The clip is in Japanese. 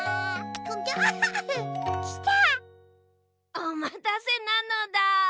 おまたせなのだ。